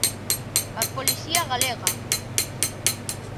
A policía galega.